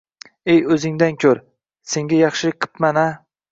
Ey, oʻzingdan koʻr. Senga yaxshilik qippan-a.